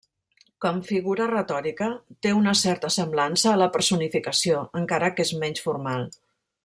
Com figura retòrica, té una certa semblança a la personificació, encara que és menys formal.